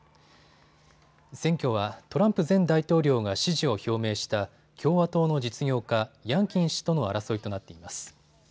選挙はトランプ前大統領が支持を表明した共和党の実業家、ヤンキン氏との争いとなっています。